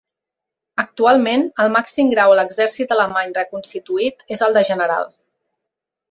Actualment, el màxim grau a l'exèrcit alemany reconstituït és el de general.